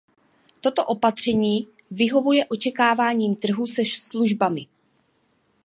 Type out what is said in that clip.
Toto opatření vyhovuje očekáváním trhu se službami.